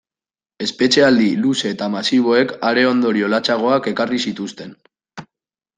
Espetxealdi luze eta masiboek are ondorio latzagoak ekarri zituzten.